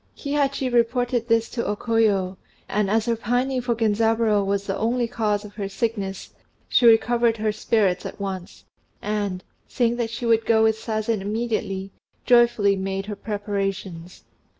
Kihachi reported this to O Koyo; and as her pining for Genzaburô was the only cause of her sickness, she recovered her spirits at once, and, saying that she would go with Sazen immediately, joyfully made her preparations.